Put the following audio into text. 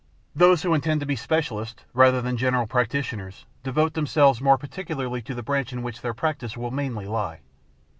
Those who intend to be specialists, rather than general practitioners, devote themselves more particularly to the branch in which their practice will mainly lie.